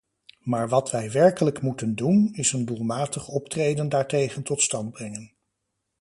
Maar wat wij werkelijk moeten doen, is een doelmatig optreden daartegen tot stand brengen.